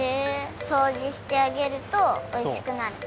そうじしてあげるとおいしくなる？